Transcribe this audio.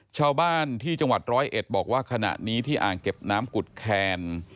ชาวบ้านที่จังหวัดร้อยเอ็ดบอกว่าขณะนี้ที่อ่างเก็บน้ำกุฎแคน